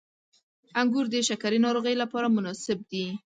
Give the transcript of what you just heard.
• انګور د شکرې ناروغۍ لپاره مناسب دي.